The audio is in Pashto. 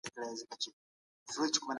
ستورپوهنه تر فزيک ډېره لرغونې ده.